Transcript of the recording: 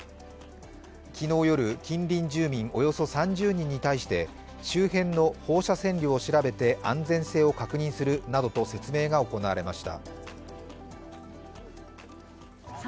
昨日夜、近隣住民およそ３０人に対して周辺の放射線量を調べて安全性を確認するなどと説明が行われました。